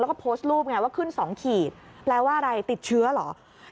แล้วก็โพสต์รูปไงว่าขึ้น๒ขีดแปลว่าอะไรติดเชื้อเหรอ